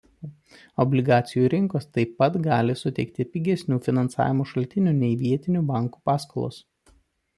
Obligacijų rinkos taip pat gali suteikti pigesnių finansavimo šaltinių nei vietinių bankų paskolos.